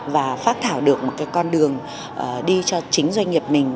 và phát thảo được một cái con đường đi cho chính doanh nghiệp mình